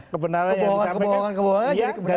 kebohongan kebohongan jadi kebenaran kalau terus